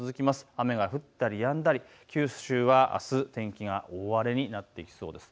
雨が降ったり、やんだり、九州はあす、天気が大荒れになりそうです。